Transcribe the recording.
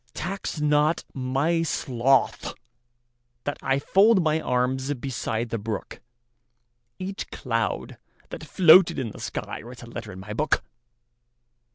Tax not my sloth that IFold my arms beside the brook; Each cloud that floated in the skyWrites a letter in my book.